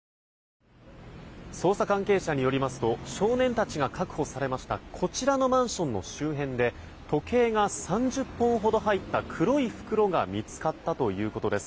捜査関係者によりますと少年たちが確保されましたこちらのマンションの周辺で時計が３０本ほど入った黒い袋が見つかったということです。